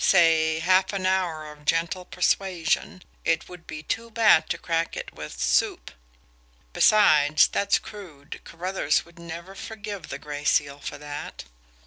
Say, half an hour of gentle persuasion. It would be too bad to crack it with 'soup' besides, that's crude Carruthers would never forgive the Gray Seal for that!"